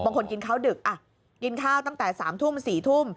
บางคนกินข้าวดึกอ่ะกินข้าวตั้งแต่สามทุ่มสี่ทุ่ม